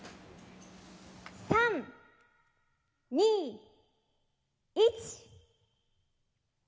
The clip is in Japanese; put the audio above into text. ３、２、１。